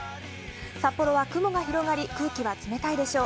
札幌は雲が広がり空気は冷たいでしょう。